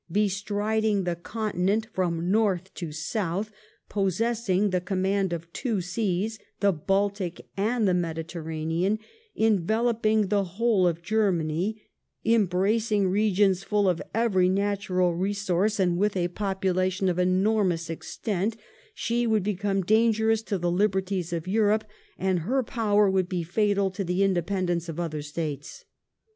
Bestriding the continent from north to south, possessing the eommand of two seas, the Baltic and the Mediterranean, enyeloping the whole of Germany, embracing regions full of eyery natural re* source, and with a population of enormous extent, she would become dangerous to the liberties of Europe, and her power would be fatal to the independence of other states.